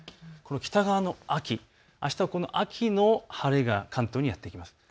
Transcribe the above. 北側の雲、あしたは秋が関東にやって来ます。